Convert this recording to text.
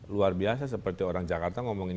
luar biasa seperti orang jakarta ngomongin